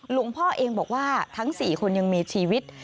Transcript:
พ่อเองบอกว่าทั้ง๔คนยังมีชีวิต